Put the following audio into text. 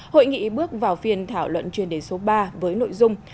hội nghị bước vào phiên thảo luận chuyên đề số ba với nội dung